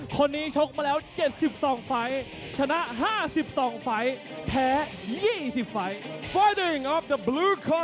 คนนี้ชกมาแล้ว๗๒ไฟล์ชนะ๕๒ไฟล์แพ้๒๐ไฟล์